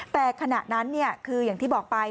แต่ขณะนั้นคืออย่างที่บอกไป